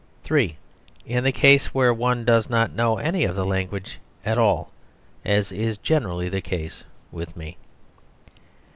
(3) In the case where one does not know any of the language at all, as is generally the case with me.